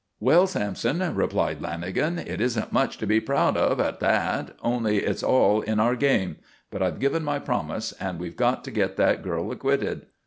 "Well, Sampson," replied Lanagan, "it isn't much to be proud of at that. Only it's all in our game. But I've given my promise and we've got to get that girl acquitted."